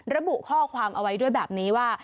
ระบุข้อความเอาไว้ด้วยแบบนี้ว่า